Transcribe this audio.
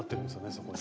そこに。